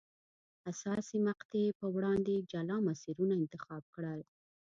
حساسې مقطعې په وړاندې جلا مسیرونه انتخاب کړل.